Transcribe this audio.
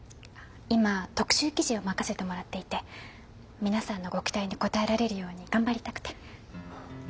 今特集記事を任せてもらっていて皆さんのご期待に応えられるように頑張りたくて。